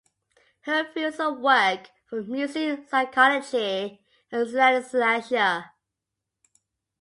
Her fields of work were music psychology and synaesthesia.